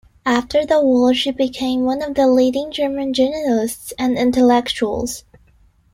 After the war, she became one of the leading German journalists and intellectuals.